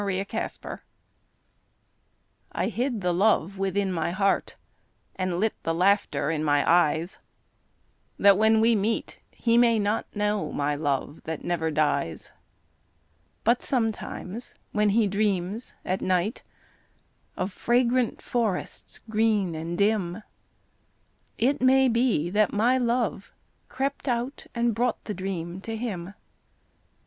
Hidden Love I hid the love within my heart, And lit the laughter in my eyes, That when we meet he may not know My love that never dies. But sometimes when he dreams at night Of fragrant forests green and dim, It may be that my love crept out And brought the dream to him.